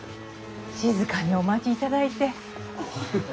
静かにお待ちいただいて。